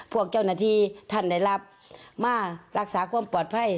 พวกเจ้าหน้าที่ท่านได้รับมารักษาความปลอดภัย